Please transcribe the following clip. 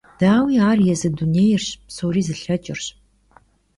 Daui, ar yêzı dunêyrş, psori zılheç'ırş.